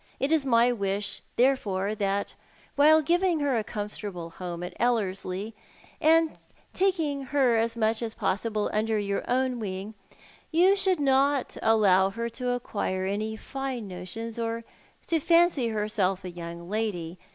It is my wish, therefore, that wliile giving her a comfortable home at EUerslie, and taking her as much as possible under your own wing, you should not allow her to acquire any fine notions, or to fancy herself a young lady.